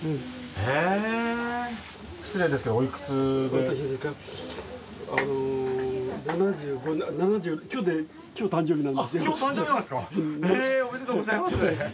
へえおめでとうございます！